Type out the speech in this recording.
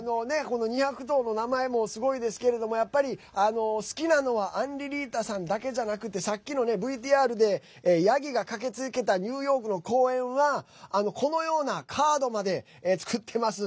２００頭の名前もすごいですけれども、やっぱり好きなのはアンリリータさんだけじゃなくてさっきのＶＴＲでヤギが駆けつけたニューヨークの公園はこのようなカードまで作ってます。